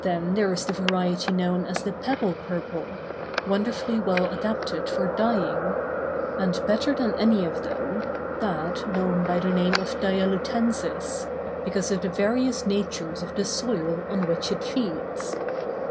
Then there is the variety known as the pebble purple, wonderfully well adapted for dyeing; and, better than any of them, that known by the name of "dialutensis," because of the various natures of the soil on which it feeds.